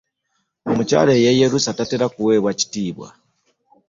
Omukyala eyeeyerusa tatera kuweebwa kitiibwa.